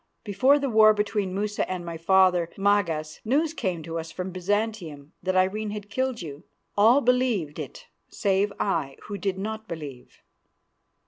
Before the war between Musa and my father, Magas, news came to us from Byzantium that Irene had killed you. All believed it save I, who did not believe."